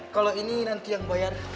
kalau ini nanti yang bayar